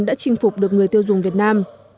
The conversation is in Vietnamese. đã chinh phục được người tiêu dùng việt nam